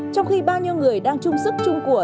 trong khi bao nhiêu người đang chung sức chung của